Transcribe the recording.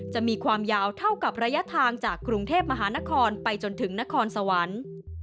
จะมีความยาวเท่ากับระยะทางจากกรุงเทพมหานครไปจนถึงนครสวรรค์